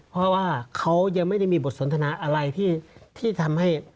เพราะว่าเขายังไม่ได้มีบทสนทนาอะไรที่ทำให้